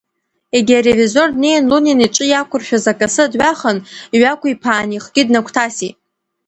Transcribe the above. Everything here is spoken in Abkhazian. Егьи аревизор днеин Лунин иҿы иақәыршәыз акасы дҩахан иҩақәиԥаан ихгьы днагәҭасит.